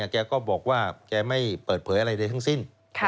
แกก็บอกว่าแกไม่เปิดเผยอะไรเลยทั้งสิ้น